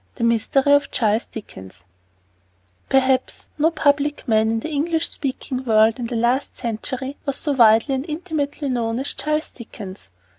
THE MYSTERY OF CHARLES DICKENS Perhaps no public man in the English speaking world, in the last century, was so widely and intimately known as Charles Dickens.